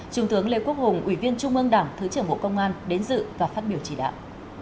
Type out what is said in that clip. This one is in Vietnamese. trung tướng lê quốc hùng ủy viên trung ương đảng thứ trưởng bộ công an đến dự và phát biểu chỉ đạo